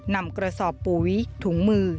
นำกระสอบปุ๋ยถุงมือ